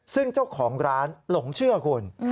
ซึ่งเจ้าของร้านหลงเชื่อคุณ